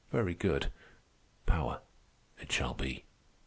Very good. Power it shall be.